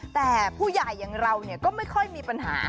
แต่ผู้ใหญ่อย่างเราก็ไม่ค่อยมีปัญหา